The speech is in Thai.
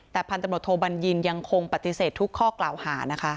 แต่พันตำรวจโทบัญญินยังคงปฏิเสธทุกข้อกล่าวหานะคะ